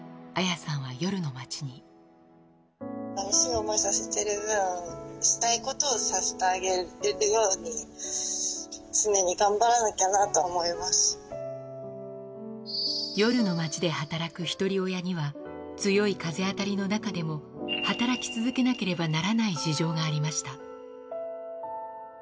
さみしい想いさせている分、したいことをさせてあげれるように、夜の街で働くひとり親には、強い風当たりの中でも、働き続けなければならない事情がありました。